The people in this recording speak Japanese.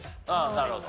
なるほど。